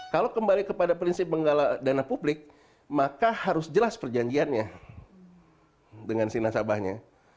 kalau kembali kepada prinsip menggalak dana publik maka harus jelas perjanjiannya dengan si nasabahnya